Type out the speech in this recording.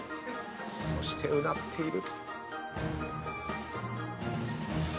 そしてうなっている。